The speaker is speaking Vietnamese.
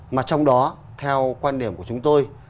mà trong đó theo quan điểm của chúng tôi